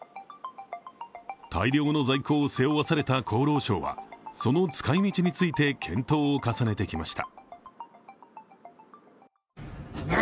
大量の在庫を背負わされた厚労省は、その使いみちについて検討を重ねてきました。